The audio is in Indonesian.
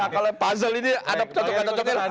kalau puzzle ini ada cocokan cocokan